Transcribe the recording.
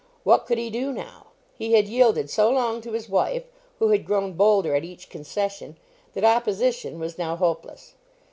What could he do now? He had yielded so long to his wife, who had grown bolder at each concession, that opposition was now hopeless.